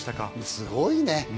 すごいね。